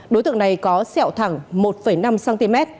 đối tượng này có xẹo thẳng một năm cm